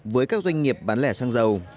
với các doanh nghiệp bán lẻ xăng dầu